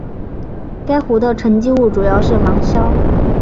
该湖的沉积物主要是芒硝。